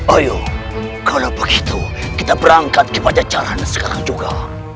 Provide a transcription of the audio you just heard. ayo kalau begitu kita berangkat ke pajajarannya sekarang juga